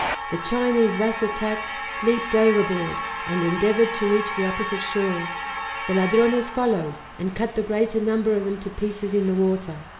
The Chinese thus attacked, leaped overboard, and endeavored to reach the opposite shore; the Ladrones followed, and cut the greater number of them to pieces in the water.